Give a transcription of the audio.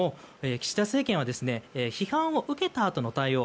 岸田政権は批判を受けたあとの対応